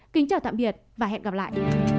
kính chào tạm biệt và hẹn gặp lại